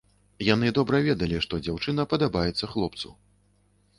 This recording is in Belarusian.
Яны добра ведалі, што дзяўчына падабаецца хлопцу.